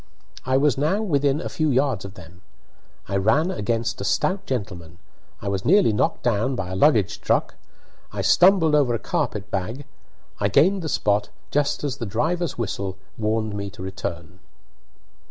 I was now within a few yards of them. I ran against a stout gentleman, I was nearly knocked down by a luggage truck, I stumbled over a carpet bag; I gained the spot just as the driver's whistle warned me to return.